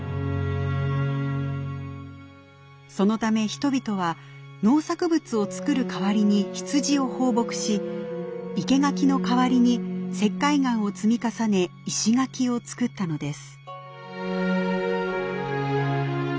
そのため人々は農作物を作る代わりに羊を放牧し生け垣の代わりに石灰岩を積み重ね石垣を造ったのです。